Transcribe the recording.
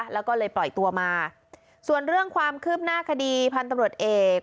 แล้วก็เลยปล่อยตัวมาส่วนเรื่องความคืบหน้าคดีพันธุ์ตำรวจเอก